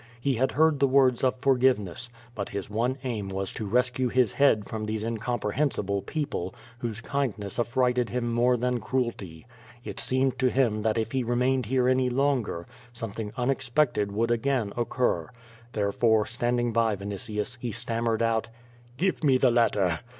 He had heard the words of forgiveness, but his one aim was to rescue his head from these incomprehensible people, whose kindness affrighted him more than cruelty. It seemed to him that if he remained liere any longer, something unexpected would again occur. Therefore, standing by Vinitius, he stammered out: "Give me the letter."